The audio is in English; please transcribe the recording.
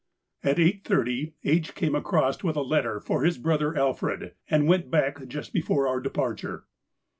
At 8.30 H. came across with a letter for his brother Alfred, and went back just before our departure.